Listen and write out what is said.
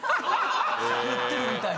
言ってるみたいな。